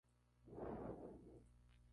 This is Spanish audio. El fuego provocó la muerte de cuatro personas.